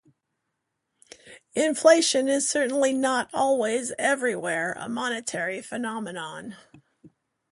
Inflation is certainly not always everywhere a monetary phenomenon.